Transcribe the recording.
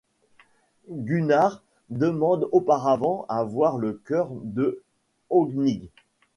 Gunnar demande auparavant à voir le cœur de Högni.